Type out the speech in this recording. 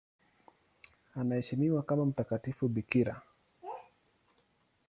Anaheshimiwa kama mtakatifu bikira.